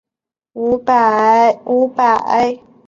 一直延续至汉朝初年。